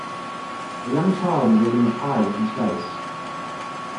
A young child is eating a pie with his face.